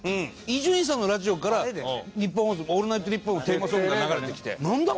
伊集院さんのラジオからニッポン放送『オールナイトニッポン』のテーマソングが流れてきてなんだ？